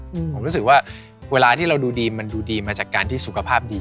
ผมรู้สึกว่าเวลาที่เราดูดีมันดูดีมาจากการที่สุขภาพดี